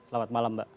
selamat malam mbak